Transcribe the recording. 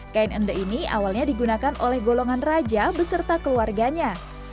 kain ende ini awalnya digunakan oleh golongan raja beserta keluarganya